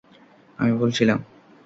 আমি ভুল ছিলাম।